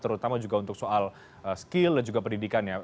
terutama juga untuk soal skill dan juga pendidikannya